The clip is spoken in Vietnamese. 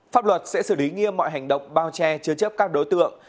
pháp luật sẽ xử lý nghiêm mọi hành động bao che chứa chấp các đối tượng